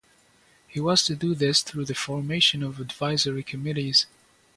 He was to do this through the formation of advisory committees.